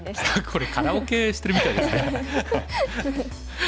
これカラオケしてるみたいですね。